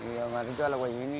iya ngeri juga lah kayak gini